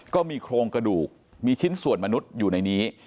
ก็มีโครงกระดูกมีชิ้นส่วนมนุษย์อยู่ในนี้